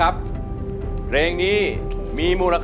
กลับมาเมื่อเวลาที่สุดท้าย